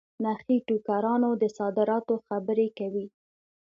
نخې ټوکرانو د صادراتو خبري کوي.